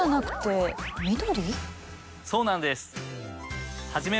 そうなんです！